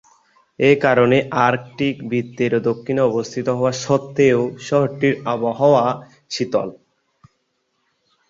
এ কারণে আর্কটিক বৃত্তের দক্ষিণে অবস্থিত হওয়া সত্ত্বেও শহরটির আবহাওয়া শীতল।